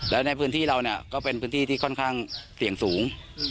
แล้วในพื้นที่เราเนี่ยก็เป็นพื้นที่ที่ค่อนข้างเสี่ยงสูง